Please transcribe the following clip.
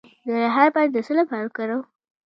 د ریحان پاڼې د څه لپاره وکاروم؟